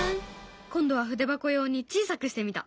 今度は筆箱用に小さくしてみた！